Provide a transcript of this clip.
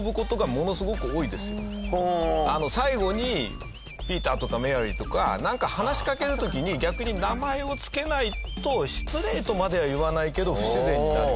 最後にピーターとかメアリーとかなんか話しかける時に逆に名前をつけないと失礼とまでは言わないけど不自然になるような。